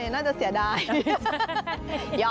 น่าจะเสียดาย